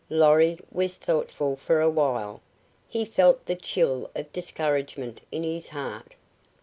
Lorry was thoughtful for a while. He felt the chill of discouragement in his heart.